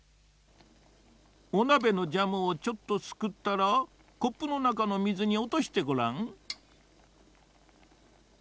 おなべのジャムをちょっとすくったらコップのなかの水におとしてごらん。